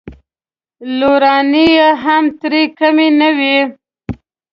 لورانې یې هم ترې کمې نه وې.